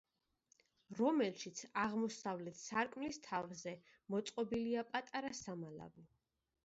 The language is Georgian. რომელშიც, აღმოსავლეთ სარკმლის თავზე, მოწყობილია პატარა სამალავი.